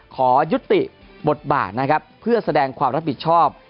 ขอยุติบทบาทนะครับเพื่อแสดงความรับผิดชอบ